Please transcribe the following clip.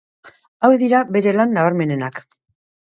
Hauek dira bere lan nabarmenenak.